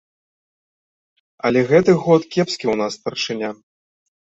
Але гэты год кепскі ў нас старшыня.